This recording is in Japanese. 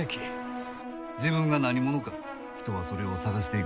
自分が何者か人はそれを探していく。